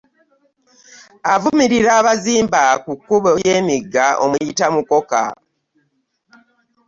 Avumirira abazimba ku kkubo ly’emigga omuyita mukoka.